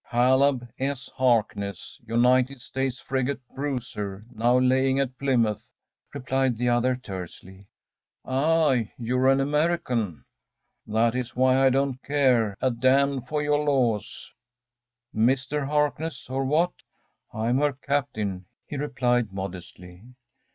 “Caleb S. Harkness, United States frigate Bruiser, now lying at Plymouth,‚ÄĚ replied the other, tersely. “Ah! you are an American?‚ÄĚ “That is why I don't care a d n for your laws.‚ÄĚ “MR. Harkness or what?‚ÄĚ “I'm her captain,‚ÄĚ he replied modestly.